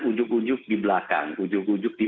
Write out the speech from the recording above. ujug ujug di belakang ujug ujug di